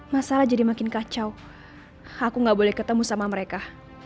masalah jadi makin kacau aku nggak boleh ketemu sama mereka